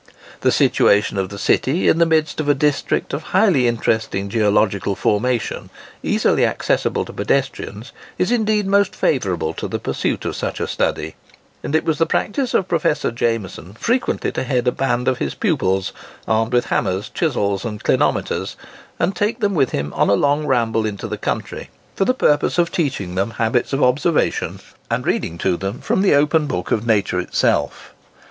The situation of the city, in the midst of a district of highly interesting geological formation, easily accessible to pedestrians, is indeed most favourable to the pursuit of such a study; and it was the practice of Professor Jameson frequently to head a band of his pupils, armed with hammers, chisels, and clinometers, and take them with him on a long ramble into the country, for the purpose of teaching them habits of observation and reading to them from the open book of Nature itself.